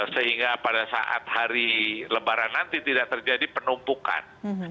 sehingga pada saat hari lebaran nanti tidak terjadi penumpukan